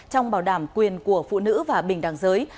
trong bảo đảm quyền của phụ nữ và bình đẳng giới